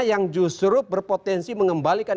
yang justru berpotensi mengembalikan